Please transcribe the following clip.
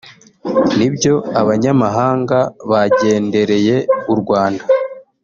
nibyo abanyamahanga bagendereye u Rwanda